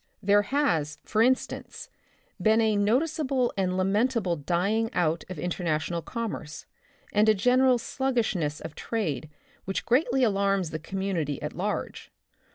There has, for in stance, been a noticeable and lamentable dying out of international commerce and a general sluggishness of trade which greatly alarms the community at large.